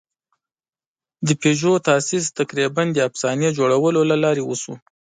د پيژو تاسیس تقریباً د افسانې جوړولو له لارې وشو.